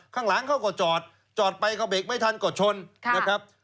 ข้างหลังเขาก็จอดจอดไปก็เบรกไม่ทันก็ชนนะครับ